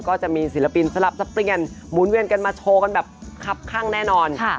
ก็จะมีศิลปินสลับสับเปลี่ยนหมุนเวียนกันมาโชว์กันแบบคับข้างแน่นอน